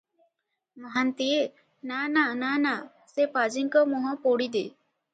ମହାନ୍ତିଏ-ନା -ନା -ନା -ନା, ସେ ପାଜିଙ୍କ ମୁହଁ ପୋଡ଼ି ଦେ ।